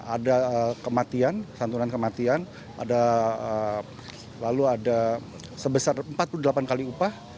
ada kematian santunan kematian lalu ada sebesar empat puluh delapan kali upah